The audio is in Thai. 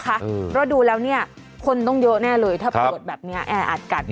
เพราะดูแล้วเนี่ยคนต้องเยอะแน่เลยถ้าปวดแบบนี้แออัดกัน